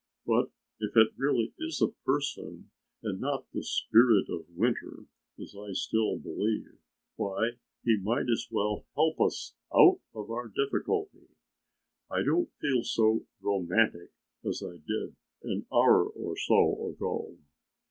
But if it really is a person and not the Spirit of Winter, as I still believe, why he might as well help us out of our difficulty. I don't feel so romantic as I did an hour or so ago."